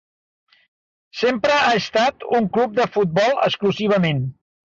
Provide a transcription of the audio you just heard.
Sempre ha estat un club de futbol, exclusivament.